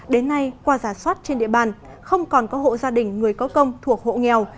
đến nay qua giả soát trên địa bàn không còn có hộ gia đình người có công thuộc hộ nghèo